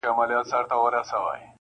له ازل هېره افغانستانه-